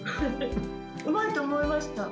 うまいと思いました。